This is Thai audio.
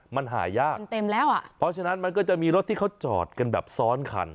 มันหายากมันเต็มแล้วอ่ะเพราะฉะนั้นมันก็จะมีรถที่เขาจอดกันแบบซ้อนคัน